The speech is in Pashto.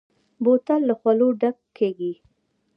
بوتل له خولو ډک کېږي.